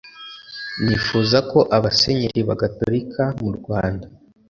nifuza ko abasenyeri bagatolika mu rwanda